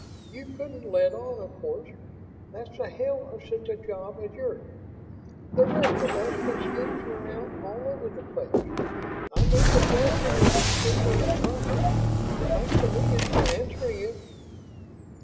You couldn't let on, of course. That's the hell of such a job as yours. The rest of us can smooch around all over the place. I knew the question was extremely improper thanks a million for answering it."